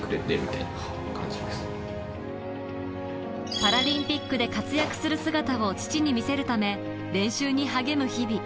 パラリンピックで活躍する姿を父に見せるため練習に励む日々。